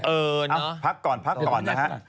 เอ่อพักก่อนนะฮะ